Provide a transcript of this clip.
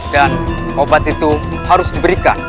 dan obat itu harus diberikan